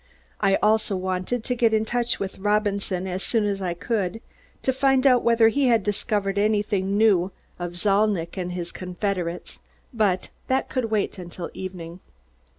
I also wanted to get in touch with Robinson as soon as I could, to find out whether he had discovered anything new of Zalnitch and his confederates but that could wait until evening.